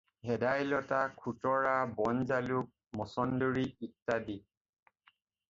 ভেদাই লতা, খুতৰা, বনজালুক, মচন্দৰী ইত্যাদি।